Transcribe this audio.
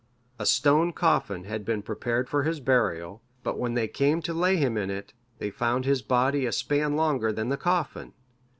A stone coffin had been prepared for his burial, but when they came to lay him in it, they found his body a span longer than the coffin.